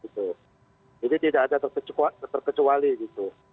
jadi tidak ada terkecuali gitu